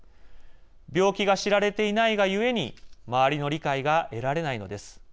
病気が知られていないがゆえに周りの理解が得られないのです。